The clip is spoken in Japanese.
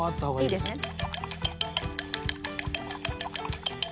いいですね。